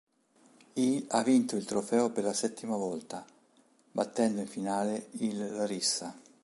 Il ha vinto il trofeo per la settima volta, battendo in finale il Larissa.